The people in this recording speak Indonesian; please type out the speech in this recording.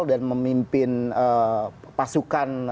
dan memimpin pasukan